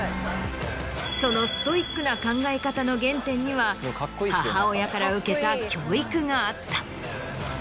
そのストイックな考え方の原点には母親から受けた教育があった。